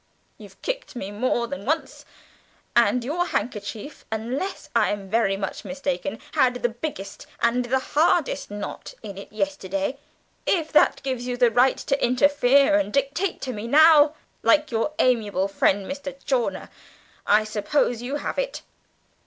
You've kicked me more than once, and your handkerchief, unless I am very much mistaken, had the biggest and the hardest knot in it yesterday. If that gives you the right to interfere and dictate to me now, like your amiable friend, Master Chawner, I suppose you have it."